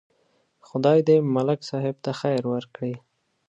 خدای دې ملک صاحب ته خیر ورکړي.